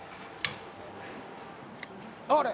あれ？